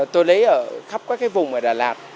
tôi lấy khắp các cái vùng ở đà lạt